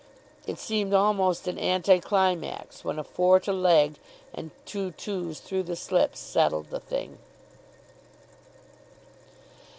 It seemed almost an anti climax when a four to leg and two two's through the slips settled the thing.